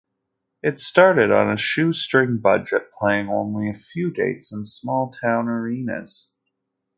It started on a shoestring budget, playing only a few dates in small-town arenas.